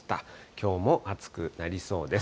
きょうも暑くなりそうです。